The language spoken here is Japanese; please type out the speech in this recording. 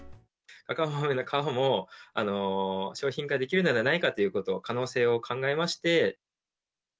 カカオ豆の皮も商品化できるのではないかという可能性を考えまして。